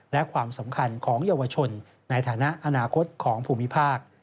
และความสำคัญของเยาวชนในฐานะอนาคตของภูมิภาค